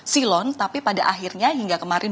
silon tapi pada akhirnya hingga kemarin